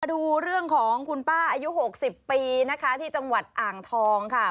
ดูเรื่องของคุณป้าอายุ๖๐ปีนะคะที่จังหวัดอ่างทองค่ะ